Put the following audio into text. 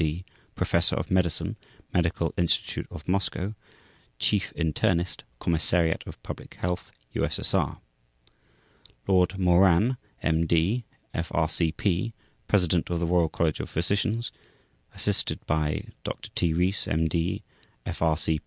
D., Professor of Medicine Medical Institute of Moscow Chief Internist, Commissariat of Public Health, U.S.S.R. Lord Moran, M.D. F.R.C.P. President of the Royal College of Physicians, assisted by Dr. T. Rees, M.D. F.R.